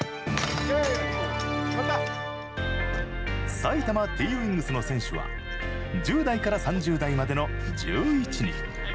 埼玉Ｔ．Ｗｉｎｇｓの選手は１０代から３０代までの１１人。